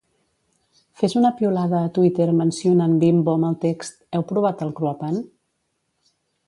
Fes una piulada a Twitter mencionant Bimbo amb el text "heu provat el Cruapan"?